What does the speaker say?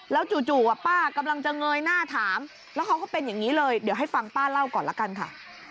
แล้วจู่ป้ากำลังจะเงยหน้าถามแล้วเขาก็เป็นอย่างนี้เลยเดี๋ยวให้ฟังป้าเล่าก่อนละกันค่ะ